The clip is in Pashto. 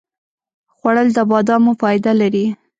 خوړل د بادامو فایده لري